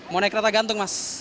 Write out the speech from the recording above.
mau naik kereta gantung mas